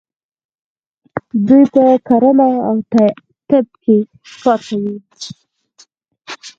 دوی په کرنه او طب کې کار کوي.